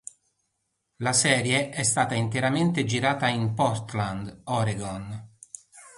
La serie è stata interamente girata in Portland, Oregon.